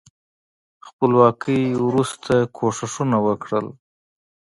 خپلواکۍ وروسته کوښښونه وکړل.